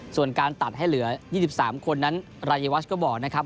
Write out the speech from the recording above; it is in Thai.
ส่วนการตัดให้เหลือยี่สิบสามคนนั้นรายวัชก์ก็บอกนะครับ